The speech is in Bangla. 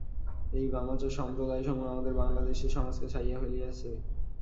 এই বামাচার-সম্প্রদায়সমূহ আমাদের বাঙলা দেশের সমাজকে ছাইয়া ফেলিয়াছে।